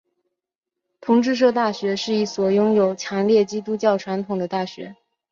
同志社大学是一所拥有强烈基督教传统的大学。